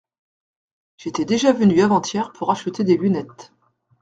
J’étais déjà venu avant-hier pour acheter des lunettes.